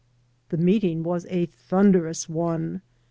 The meeting was a thunderous one.